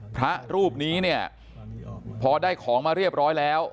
พระรูปนี้เนี่ยพอได้ของมาเรียบร้อยแล้ว